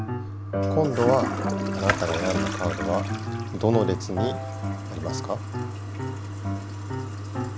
こんどはあなたがえらんだカードはどの列にありますか？